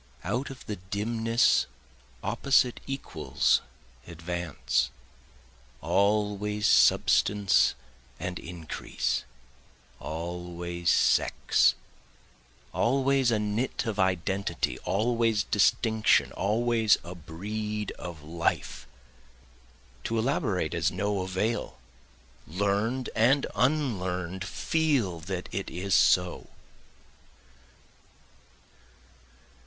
Out of the dimness opposite equals advance, always substance and increase, always sex, Always a knit of identity, always distinction, always a breed of life. To elaborate is no avail, learn'd and unlearn'd feel that it is so.